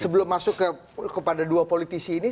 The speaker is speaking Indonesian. sebelum masuk kepada dua politisi ini